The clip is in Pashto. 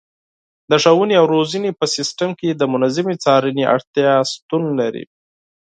د ښوونې او روزنې په سیستم کې د منظمې څارنې اړتیا شتون لري.